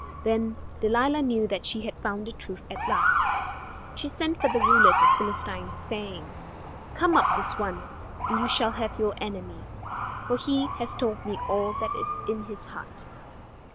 Then Delilah knew that she had found the truth at last. She sent for the rulers of the Philistines, saying: "Come up this once, and you shall have your enemy; for he has told me all that is in his heart."